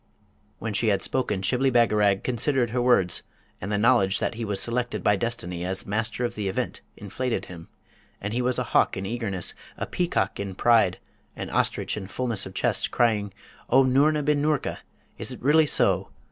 When she had spoken Shibli Bagarag considered her words, and the knowledge that he was selected by destiny as Master of the Event inflated him; and he was a hawk in eagerness, a peacock in pride, an ostrich in fulness of chest, crying, 'O Noorna bin Noorka! is't really so?